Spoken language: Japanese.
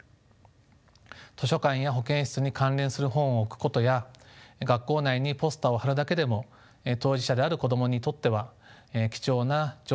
図書館や保健室に関連する本を置くことや学校内にポスターを貼るだけでも当事者である子供にとっては貴重な情報獲得の機会になります。